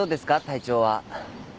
体調は。